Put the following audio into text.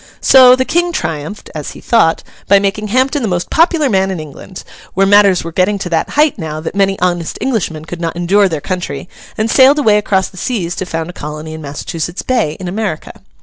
So, the King triumphed (as he thought), by making Hampden the most popular man in England; where matters were getting to that height now, that many honest Englishmen could not endure their country, and sailed away across the seas to found a colony in Massachusetts Bay in America.